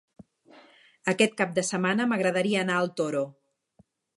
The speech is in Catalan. Aquest cap de setmana m'agradaria anar al Toro.